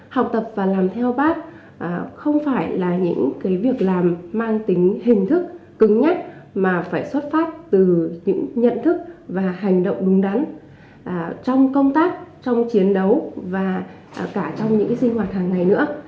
học tập và làm theo bác không phải là những việc làm mang tính hình thức cứng nhất mà phải xuất phát từ những nhận thức và hành động đúng đắn trong công tác trong chiến đấu và cả trong những sinh hoạt hàng ngày nữa